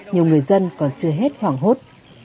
nhiều người dân còn chưa hết hoảng hốt